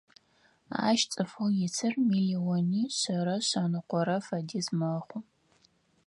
Ащ цӏыфэу исыр миллиони шъэрэ шъэныкъорэ фэдиз мэхъу.